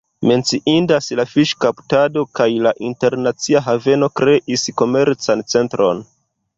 Menciindas la fiŝkaptado kaj la internacia haveno kreis komercan centron.